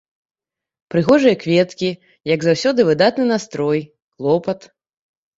Прыгожыя кветкі, як заўсёды, выдатны настрой, клопат.